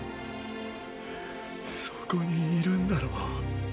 そこにいるんだろ？